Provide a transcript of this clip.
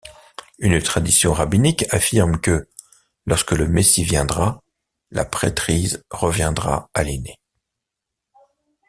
Une tradition rabbinique affirme que lorsque le Messie viendra, la prêtrise reviendra à l'aîné.